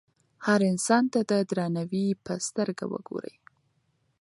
هر انسان ته د درناوي په سترګه وګورئ.